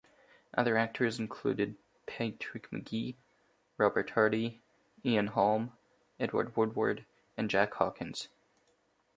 Other actors included Patrick Magee, Robert Hardy, Ian Holm, Edward Woodward and Jack Hawkins.